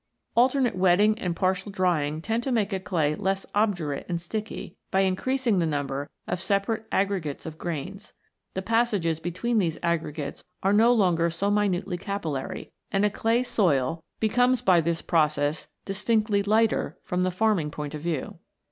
Alternate wetting and partial drying tend to make a clay less obdurate and sticky, by increasing the number of separate aggregates of grains. The passages between these aggregates are no longer so minutely capillary, and a clay soil becomes by this 80 ROCKS AND THEIR ORIGINS [OH. process distinctly " lighter " from the farming point of view.